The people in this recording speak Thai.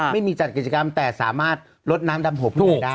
ไม่มีจัดกิจกรรมแต่สามารถลดน้ำดำผมขึ้นมาได้